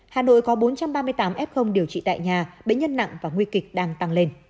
hà nội có bốn trăm ba mươi tám f điều trị tại nhà bệnh nhân nặng và nguy kịch đang tăng lên